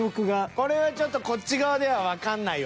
これはちょっとこっち側ではわかんないわ。